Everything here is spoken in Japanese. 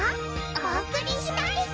お送りしました！